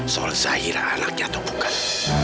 soal zahira anaknya atau bukan